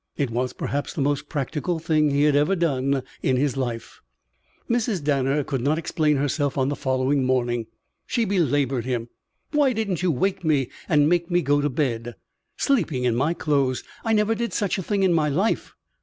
It was, perhaps, the most practical thing he had ever done in his life. Mrs. Danner could not explain herself on the following morning. She belaboured him. "Why didn't you wake me and make me go to bed? Sleeping in my clothes! I never did such a thing in my life."